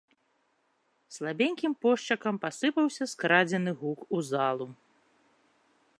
Слабенькім пошчакам пасыпаўся скрадзены гук у залу.